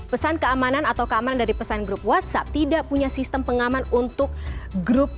pesan keamanan atau keamanan dari pesan grup whatsapp tidak punya sistem pengaman untuk grup